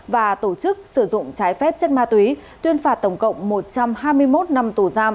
và tổ chức sử dụng trái phép chất ma túy tuyên phạt tổng cộng một trăm hai mươi một năm tù giam